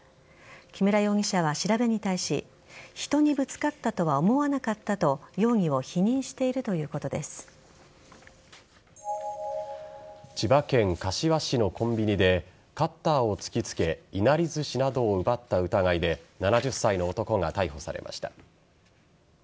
木村容疑者は調べに対し人にぶつかったとは思わなかったと容疑を千葉県柏市のコンビニでカッターを突きつけいなりずしなどを奪った疑いで７０歳の男が逮捕されました。